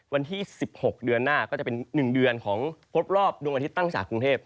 วันที่๑๖เดือนหน้าก็จะเป็น๑เดือนของพบรอบดวงอาทิตย์ตั้งพิษากรุงเทพ